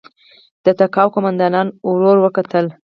د تګاو قوماندان ورور وکتل.